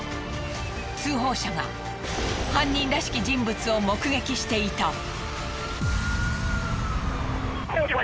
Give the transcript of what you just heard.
通報者が犯人らしき人物を目撃していた。